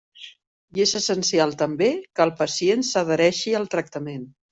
I és essencial també que el pacient s'adhereixi al tractament.